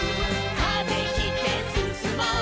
「風切ってすすもう」